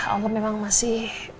allah memang masih